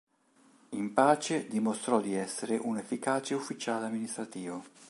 In pace dimostrò di essere un efficace Ufficiale amministrativo.